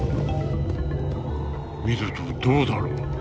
「見るとどうだろう。